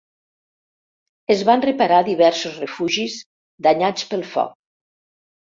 Es van reparar diversos refugis danyats pel foc.